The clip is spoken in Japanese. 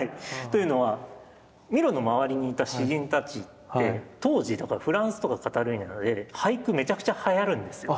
というのはミロの周りにいた詩人たちって当時だからフランスとかカタルーニャで俳句めちゃくちゃはやるんですよ。